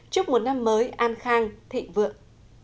chúc một năm mới an khang thịnh vượng